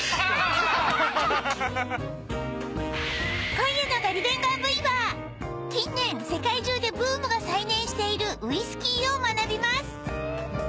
今夜の『ガリベンガー Ｖ』は近年世界中でブームが再燃しているウイスキーを学びます